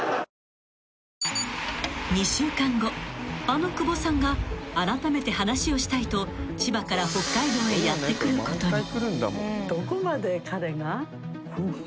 ［あの久保さんがあらためて話をしたいと千葉から北海道へやって来ることに］